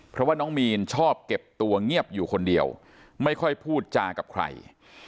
เพราะว่าน้องมีนชอบเก็บตัวเงียบอยู่คนเดียวไม่ค่อยพูดจากับใคร